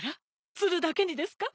ツルだけにですか？